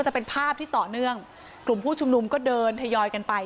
จะเป็นภาพที่ต่อเนื่องกลุ่มผู้ชุมนุมก็เดินทยอยกันไป